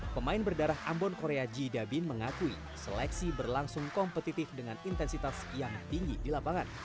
pemain berdarah ambon korea ji dabin mengakui seleksi berlangsung kompetitif dengan intensitas yang tinggi di lapangan